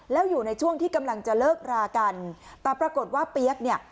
แล้วอยู่ในช่วงที่กำลังจะเลิกรากันแต่ปรากฏว่าเปี๊ยกเนี่ย